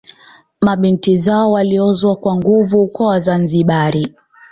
Mabinti zao waliozwa kwa nguvu kwa Wazanzibari